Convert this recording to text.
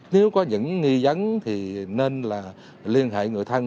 nếu có những nghi dấn thì nên là liên hệ người thân